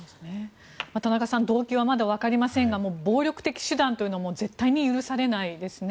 田中さん動機はまだわかりませんが暴力的手段というのは絶対に許されないですね。